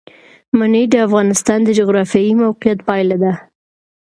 منی د افغانستان د جغرافیایي موقیعت پایله ده.